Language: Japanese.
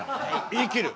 言い切る。